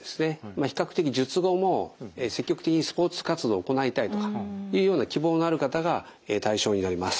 比較的術後も積極的にスポーツ活動を行いたいとかいうような希望がある方が対象になります。